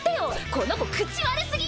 この子口悪すぎ！